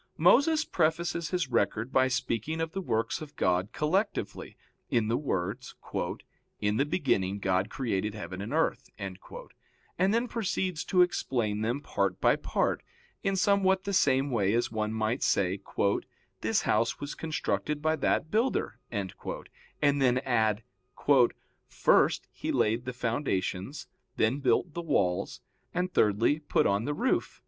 Moses prefaces his record by speaking of the works of God collectively, in the words, "In the beginning God created heaven and earth," and then proceeds to explain them part by part; in somewhat the same way as one might say: "This house was constructed by that builder," and then add: "First, he laid the foundations, then built the walls, and thirdly, put on the roof."